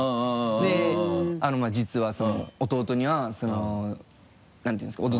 で実は弟には何て言うんですか？